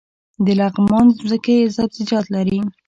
د لغمان ځمکې سبزیجات لري